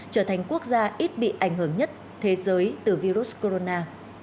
trở thành quốc gia ít bị ảnh hưởng nhất thế giới từ virus corona